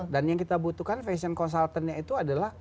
dan yang kita butuhkan fashion consultantnya itu adalah